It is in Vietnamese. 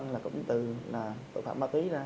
là tội phạm ma túy ra